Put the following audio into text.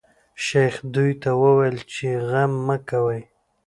شیخ دوی ته وویل چې غم مه کوی.